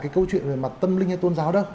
câu chuyện về mặt tâm linh hay tôn giáo đó